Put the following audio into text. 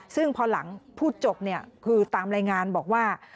ซึ่งพอหลังพูดจบคือตามรายงานบอกว่า